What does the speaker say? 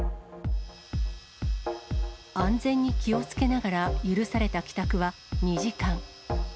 安全に気をつけながら許された帰宅は２時間。